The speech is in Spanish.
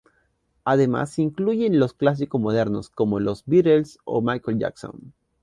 Además, se incluyen los "clásicos modernos", como los Beatles o Michael Jackson.